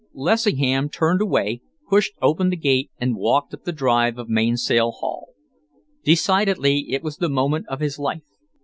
Lessingham turned away, pushed open the gate, and walked up the drive of Mainsail Haul. Decidedly it was the moment of his life.